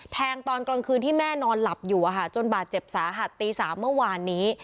ตอนกลางคืนที่แม่นอนหลับอยู่จนบาดเจ็บสาหัสตี๓เมื่อวานนี้